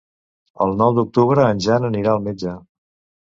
El nou d'octubre en Jan anirà al metge.